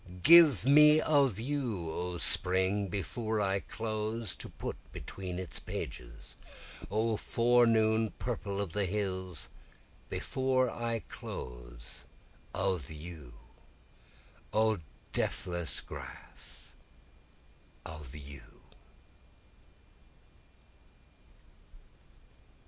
Give me of you O spring, before I close, to put between its pages! O forenoon purple of the hills, before I close, of you! O deathless grass, of you!